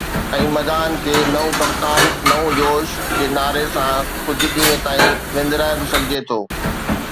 ۽ مداحن کي ”نئون ڪپتان، نئون جوش“ جي نعري سان ڪجهه ڏينهن تائين وندرائي به سگهجي ٿو.